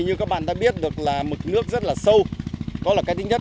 như các bạn đã biết được là mực nước rất là sâu đó là cái thứ nhất